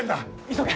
急げ！